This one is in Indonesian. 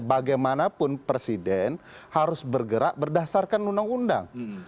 bagaimanapun presiden harus bergerak berdasarkan undang undang